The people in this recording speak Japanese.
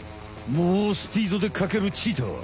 もうスピードでかけるチーター。